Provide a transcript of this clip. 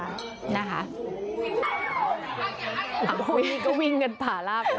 อ้าวเพราะว่าพวกนี้ก็วิ่งกันผ่าลาก